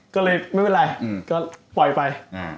ก็เลยไม่เป็นไรก็ปล่อยไป